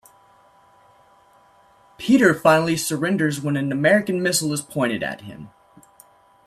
Peter finally surrenders when an American missile is pointed at him.